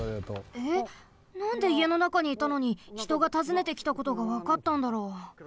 えっなんでいえのなかにいたのにひとがたずねてきたことがわかったんだろう？